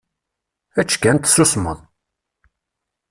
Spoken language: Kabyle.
Ečč kan, tessusmeḍ!